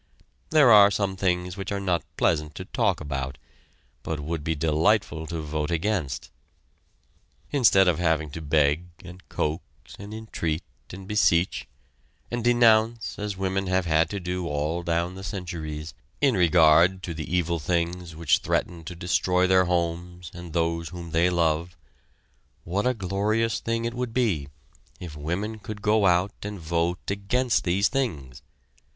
There are some things which are not pleasant to talk about, but would be delightful to vote against. Instead of having to beg, and coax, and entreat, and beseech, and denounce as women have had to do all down the centuries, in regard to the evil things which threaten to destroy their homes and those whom they love, what a glorious thing it would be if women could go out and vote against these things.